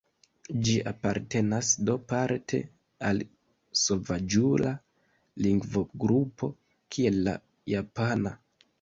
Ĝi apartenas do parte al sovaĝula lingvogrupo kiel la japana.